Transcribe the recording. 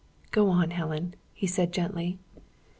"Go on, Helen," he said, gently.